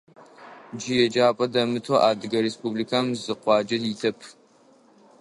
Джы еджапӏэ дэмытэу Адыгэ Республикэм зы къуаджэ итэп.